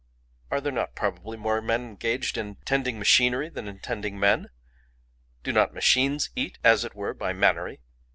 Are there not probably more men engaged in tending machinery than in tending men? Do not machines eat as it were by mannery?